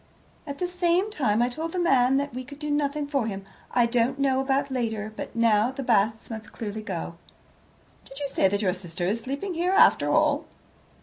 "At the same time I told the man that we could do nothing for him. I don't know about later, but now the Basts must clearly go." "Did you say that your sister is sleeping here, after all?"